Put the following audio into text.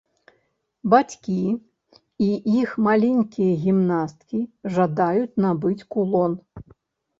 Бацькі і іх маленькія гімнасткі жадаюць набыць кулон.